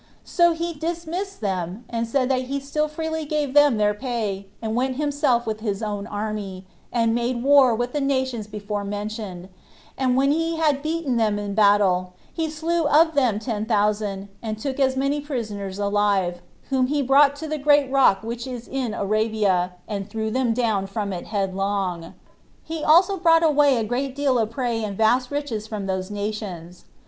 So he dismissed them, and said that he still freely gave them their pay, and went himself with his own army, and made war with the nations before mentioned; and when he had beaten them in battle, he slew of them ten thousand, and took as many prisoners alive, whom he brought to the great rock which is in Arabia, and threw them down from it headlong. He also brought away a great deal of prey and vast riches from those nations.